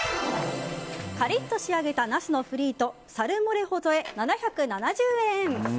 カリッと仕上げたナスのフリートサルモレホ添え、７７０円。